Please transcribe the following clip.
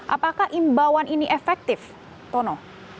apakah imbauan ini efektif tono